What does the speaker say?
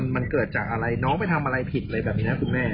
มันเกิดจากอะไรน้องไปทำอะไรผิดอะไรแบบนี้นะคุณแม่